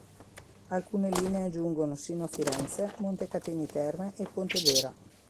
Alcune linee giungono sino a Firenze, Montecatini Terme e Pontedera.